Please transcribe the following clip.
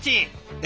え？